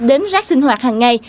đến rác sinh hoạt hằng ngày